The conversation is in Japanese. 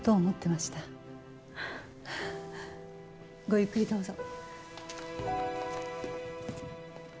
ごゆっくりどうぞ。